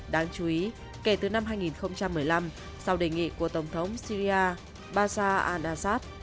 đáng chú ý kể từ năm hai nghìn một mươi năm sau đề nghị của tổng thống syria bashar al assad